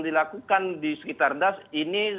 dilakukan di sekitar das ini